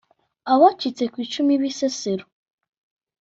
Abacitse ku icumu Bisesero